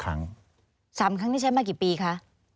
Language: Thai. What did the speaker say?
๓ครั้งนี้ใช้มากี่ปีคะ